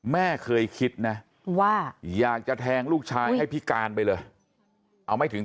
แม่เคยคิดนะว่าอยากจะแทงลูกชายให้พิการไปเลยเอาไม่ถึง